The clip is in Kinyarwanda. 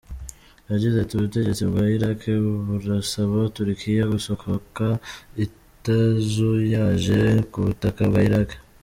Yagize ati “ Ubutegetsi bwa Irak burasaba Turukiya gusohoka itazuyaje ku butaka bwa Irak.